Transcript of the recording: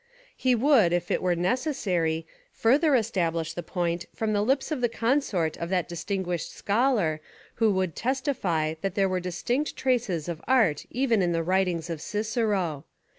He would, if it were necessary, further establish the point from the lips of the consort of that distinguished scholar who would testify that there were distinct traces of art even in the writings of Cicero.